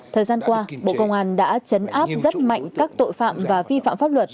thời gian qua bộ công an đã chấn áp rất mạnh các tội phạm và vi phạm pháp luật